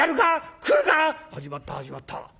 「始まった始まった。